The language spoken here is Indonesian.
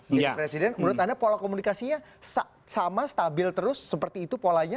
presiden menurut anda pola komunikasinya sama stabil terus seperti itu polanya